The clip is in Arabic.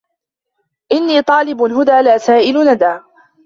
إنِّي طَالِبُ هُدًى لَا سَائِلُ نَدًى